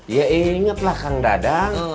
ya inget lah kang dadang